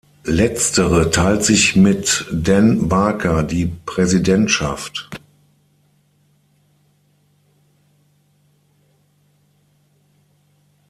Letztere teilt sich mit Dan Barker die Präsidentschaft.